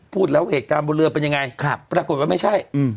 พูดแล้วเหตุการณ์บนเรือเป็นยังไงครับปรากฏว่าไม่ใช่